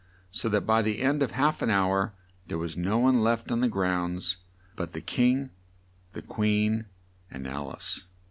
so that by the end of half an hour there was no one left on the grounds but the King, the Queen, and Al ice.